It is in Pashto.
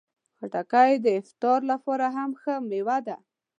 خټکی د افطار لپاره هم ښه مېوه ده.